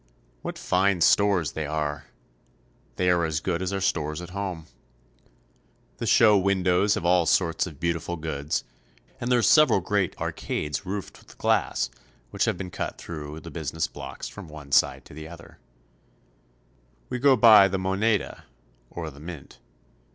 What fine stores they are ! They are as good as our stores at home. The show SANTIAGO. 127 windows have all sorts of beautiful goods, and there are several great arcades roofed with glass which have been cut through the business blocks from one side to the other. " Let us take a street car ride through the city." We go by the Moneda, or the mint.